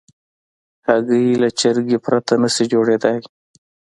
هګۍ له چرګه پرته نشي جوړېدای.